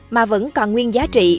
mà vẫn còn nguyên giá trị